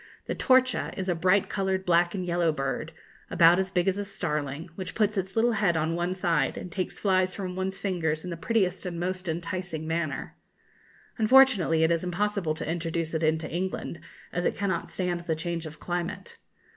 The torcha is a bright coloured black and yellow bird, about as big as a starling, which puts its little head on one side and takes flies from one's fingers in the prettiest and most enticing manner. Unfortunately, it is impossible to introduce it into England, as it cannot stand the change of climate.